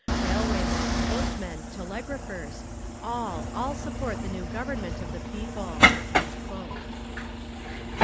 Railwaymen, postmen, telegraphers—all, all support the new Government of the People!"